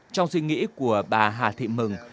trong suy nghĩ của bà hà thị mừng